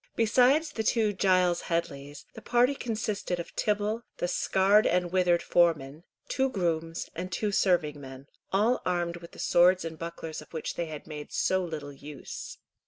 Besides the two Giles Headleys, the party consisted of Tibble, the scarred and withered foreman, two grooms, and two serving men, all armed with the swords and bucklers of which they had made so little use.